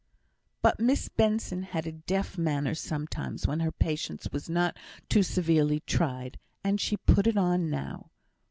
But Miss Benson had a deaf manner sometimes when her patience was not too severely tried, and she put it on now.